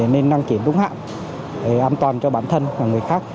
nên đăng kiểm đúng hạn để an toàn cho bản thân và người khác